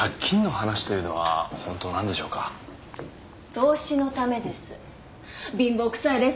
投資のためです